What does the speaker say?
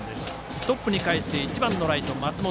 トップにかえって１番のライト、松本。